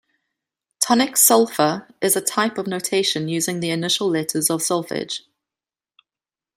Tonic sol-fa is a type of notation using the initial letters of solfege.